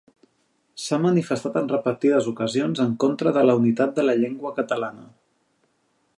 S'ha manifestat en repetides ocasions en contra de la unitat de la llengua catalana.